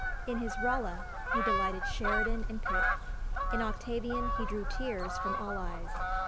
In his Rolla he delighted Sheridan and Pitt; in Octavian he drew tears from all eyes.